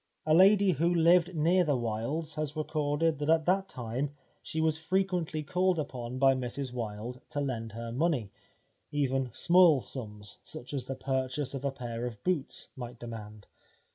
A lady who lived near the Wildes has recorded that at that time she was frequently called upon by Mrs Wilde to lend her money, even small sums such as the purchase of a pair of boots might demand.